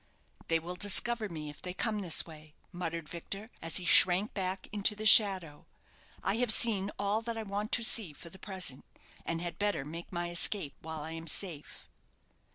"They will discover me if they come this way," muttered Victor, as he shrank back into the shadow. "I have seen all that I want to see for the present, and had better make my escape while I am safe."